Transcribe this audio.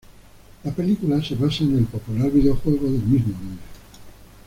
La película se basa en el popular videojuego del mismo nombre.